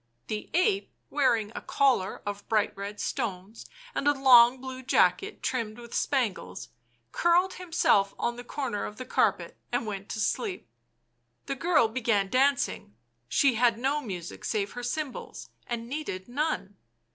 The ape, wearing a collar of bright red stones and a long blue jacket trimmed with spangles, curled himself on the corner of the carpet and went to sleep. The girl began dancing ; she had no music save her cymbals, and needed none.